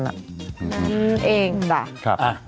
นั่นเองแบบครับ